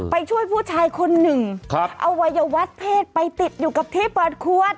ไปช่วยผู้ชายคนหนึ่งครับเอาวัยวะเพศไปติดอยู่กับที่เปิดขวด